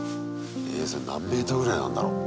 それ何メートルぐらいなんだろう。